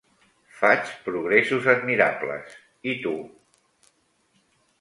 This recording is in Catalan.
Faig progressos admirables. I tu?